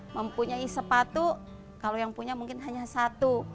mempunyai sepatu kalau yang punya mungkin hanya satu